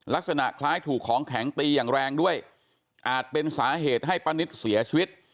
ลักษณะคล้ายถูกของแข็งตีอย่างแรงด้วยอาจเป็นสาเหตุให้ป้านิตเสียชีวิต